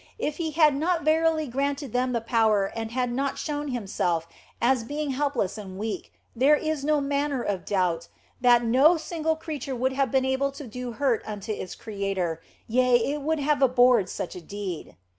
If He had not verily granted them the power and had not shown Himself as being helpless and weak, there is no manner of doubt that no single creature would have been able to do hurt unto its Creator, yea, it would have abhorred such a deed.